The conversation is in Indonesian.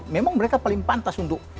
memang mereka paling pantas untuk